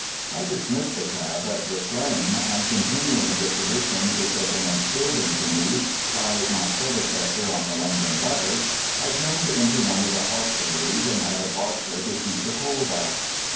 I dismissed the cab at Brick Lane, and, continuing the tradition which had been instilled into me by my predecessor on the London Letter, I turned into one of the hostelries and had a vodka to keep the cold out.